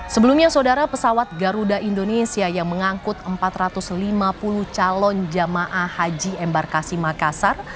sebelumnya saudara pesawat garuda indonesia yang mengangkut empat ratus lima puluh calon jamaah haji embarkasi makassar